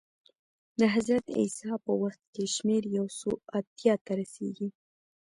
د حضرت عیسی په وخت کې شمېر یو سوه اتیا ته رسېږي